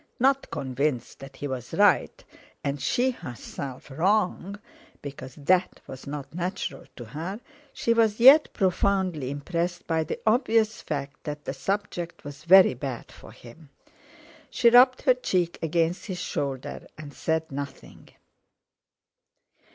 Not convinced that he was right, and she herself wrong, because that was not natural to her, she was yet profoundly impressed by the obvious fact that the subject was very bad for him. She rubbed her cheek against his shoulder, and said nothing.